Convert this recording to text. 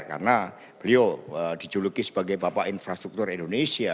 karena beliau dijuluki sebagai bapak infrastruktur indonesia